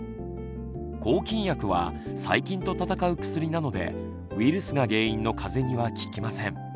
抗菌薬は細菌と闘う薬なのでウイルスが原因のかぜには効きません。